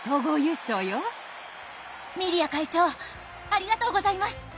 ミリア会長ありがとうございます！